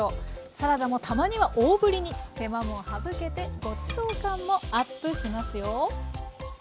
サラダもたまには大ぶりに手間も省けてごちそう感もＵＰしますよ。